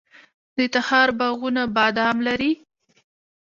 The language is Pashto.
د تخار باغونه بادام لري.